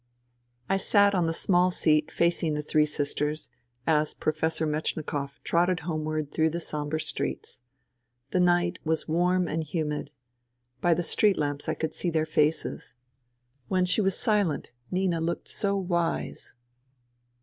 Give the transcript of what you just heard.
I sat on the small seat facing the three sisters, as Professor Metchnikoff trotted homeward through the sombre streets. The night was warm and humid. By the street lamps I could see their faces. When she was silent Nina looked so wise.